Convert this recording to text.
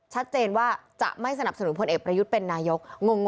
ชัดเจนว่าจะไม่สนับสนุนพลเอกประยุทธ์เป็นนายก